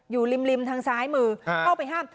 อยู่ริมทางซ้ายมือเข้าไปห้าม